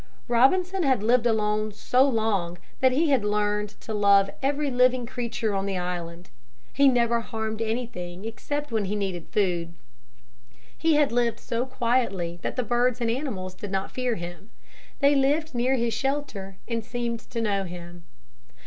Robinson had lived alone so long that he had learned to love every living creature on the island. He never harmed anything except when he needed food. He had lived so quietly that the birds and animals did not fear him. They lived near his shelter and seemed to know him.